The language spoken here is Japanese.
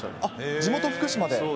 地元、福島で。